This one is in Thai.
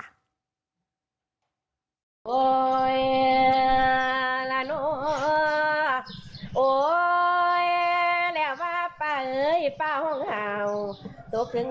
หลักหลานหลากหมอลำไว้กับอย่างทั้งพี่น้อง